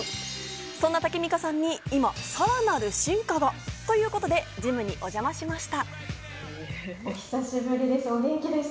そんなタキミカさんに今さらなる進化が。ということでジムにお邪魔しました。